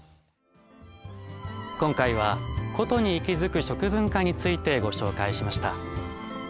今回は古都に息づく食文化についてご紹介しました。